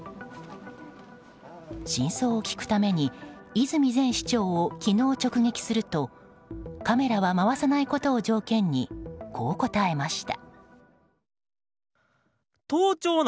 真相を聞くために泉前市長を昨日、直撃するとカメラは回さないことを条件にこう答えました。